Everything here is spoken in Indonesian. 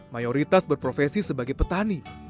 mayoritas berprofesi sebagai petani